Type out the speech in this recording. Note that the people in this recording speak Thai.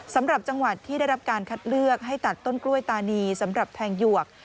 สำหรับจังหวัดที่ได้รับการคัดเลือกให้ตัดต้นกล้วยตานีสำหรับแทงหยวก